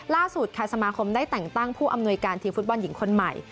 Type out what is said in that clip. ล่าสุดค่ะสมาคมได้แต่งตั้งผู้อำนวยการทีมฟุตบอลหญิงคนใหม่